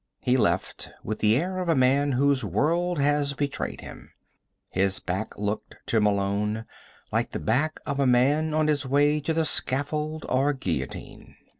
He left, with the air of a man whose world has betrayed him. His back looked, to Malone, like the back of a man on his way to the scaffold or guillotine.